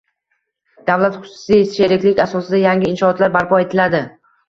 davlat-xususiy sheriklik asosida yangi inshootlar barpo etiladi.